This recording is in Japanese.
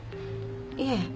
いえ。